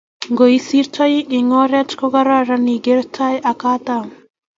nyoisirtoi eng oret kararan igeer tai ak katam